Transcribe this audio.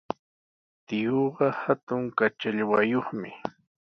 Tiyuuqa hatun kachallwayuqmi.